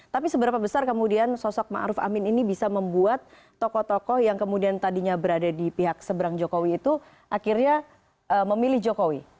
tapi seberapa besar kemudian sosok ⁇ maruf ⁇ amin ini bisa membuat tokoh tokoh yang kemudian tadinya berada di pihak seberang jokowi itu akhirnya memilih jokowi